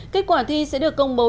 kết quả thi sẽ được công bố